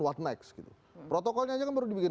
what next gitu protokolnya aja kan baru dibikin